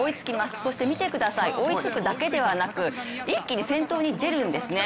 そして、追いつくだけではなく一気に先頭に出るんですね。